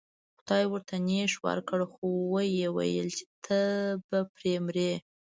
خدای ورته نیش ورکړ خو و یې ویل چې ته به پرې مرې.